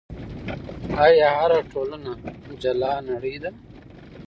آیا هره ټولنه جلا نړۍ ده؟